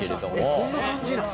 「えっこんな感じなん？」